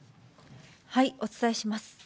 お伝えします。